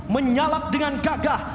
menyalak dengan gagah